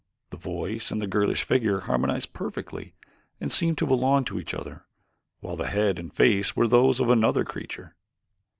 The voice and the girlish figure harmonized perfectly and seemed to belong to each other, while the head and face were those of another creature.